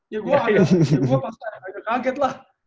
ya gue pasti aja kaget lah